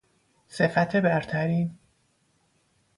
صفت برترین